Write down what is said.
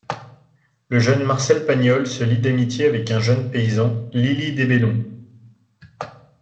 Le jeune Marcel Pagnol se lie d'amitié avec un jeune paysan, Lili des Bellons.